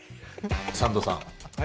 サンドさん